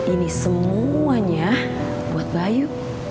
ini semuanya buat bayu